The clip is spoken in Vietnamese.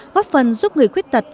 góp phần giúp người khuyết tật